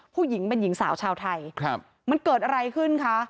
ผู้หญิงเป็นหญิงสาวชาวไทยมันเกิดอะไรขึ้นคะ